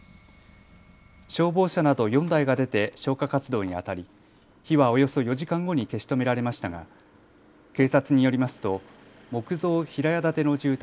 消防車など４台が出て消火活動にあたり火はおよそ４時間後に消し止められましたが警察によりますと木造平屋建ての住宅